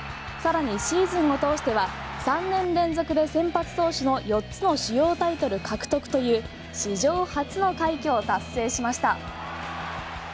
さらにシーズンを通しては３年連続で先発投手の四つの主要タイトル獲得という史上初の快挙を達成しました。